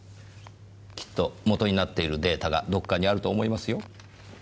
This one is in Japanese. きっと元になっているデータがどこかにあると思いますよ。